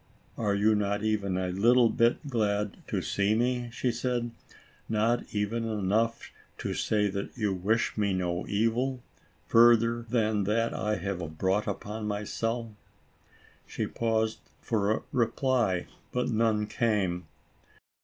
"Are you not even a little bit glad to see me?" she said. "Not even enough to say that ALICE ; OR, THE WAGES OF SIN. 33 you wish me no evil, further than that I have brought upon myself." She paused for a reply, but none came.